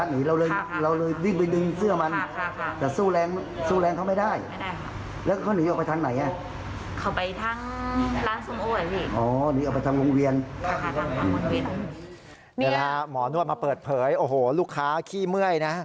นี่แหละค่ะหมอนวดมาเปิดเผยโอ้โหลูกค้าขี้เมื่อยนะ